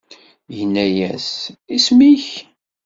Inna-yas: Isem-ik?